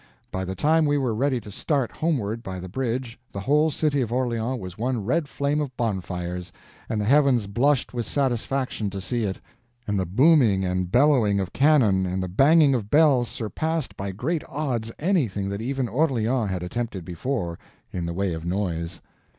By the time we were ready to start homeward by the bridge the whole city of Orleans was one red flame of bonfires, and the heavens blushed with satisfaction to see it; and the booming and bellowing of cannon and the banging of bells surpassed by great odds anything that even Orleans had attempted before in the way of noise.